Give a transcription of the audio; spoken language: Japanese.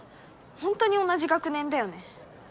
本当に同じ学年だよね？